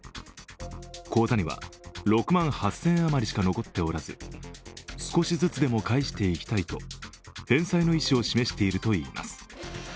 口座には６万８０００円余りしか残っておらず少しずつでも返していきたいと返済の意思を示しているといいます。